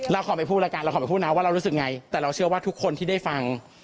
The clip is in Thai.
เราขอไปพูดนะว่าเรารู้สึกยังไงแต่เราเชื่อว่าทุกคนที่ได้ฟัง